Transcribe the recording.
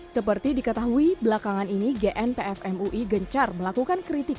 seperti diketahui belakangan ini genpfmui gencar melakukan kritik